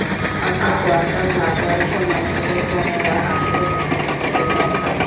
অর্থাৎ কোয়ান্টাম লাফ দেওয়ার সময় ইলেকট্রনেরা আসলে কোথায় থাকে, এর ব্যাখ্যা।